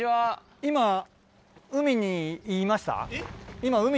今海にいました？